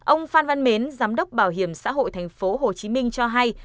ông phan văn mến giám đốc bảo hiểm xã hội tp hcm cho hay